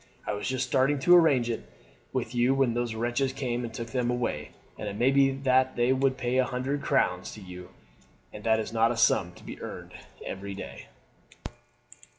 I was just starting to arrange it with you when those wretches came and took them away, and it may be that they would pay a hundred crowns to you, and that is not a sum to be earned every day."